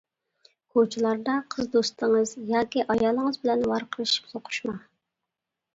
كوچىلاردا قىز دوستىڭىز ياكى ئايالىڭىز بىلەن ۋارقىرىشىپ سوقۇشماڭ.